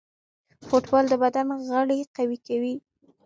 فوټبال د بدن غړي قوي کوي.